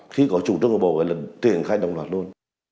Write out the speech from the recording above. khi có trung trương của bộ ngoan là triển khai đồng loạt luôn